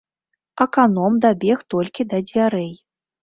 Аканом дабег толькі да дзвярэй.